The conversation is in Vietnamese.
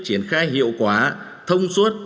triển khai hiệu quả thông suốt